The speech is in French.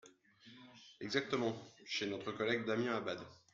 Exactement, chez notre collègue Damien Abad.